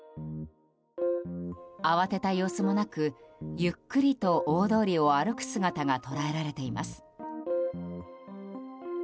慌てた様子もなくゆっくりと大通りを歩く姿が捉えられています。